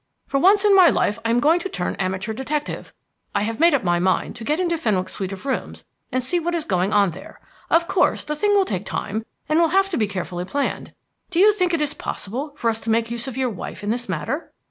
"For once in my life I am going to turn amateur detective. I have made up my mind to get into Fenwick's suite of rooms and see what is going on there. Of course, the thing will take time, and will have to be carefully planned. Do you think it is possible for us to make use of your wife in this matter?"